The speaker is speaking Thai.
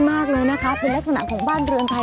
เป็นแรกสนานของบ้านเรือนไทย